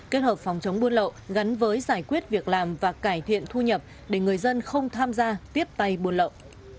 kết hợp phòng chống buôn lậu gắn với giải quyết việc làm và cải thiện thu nhập để người dân không tham gia tiếp tay buôn lậu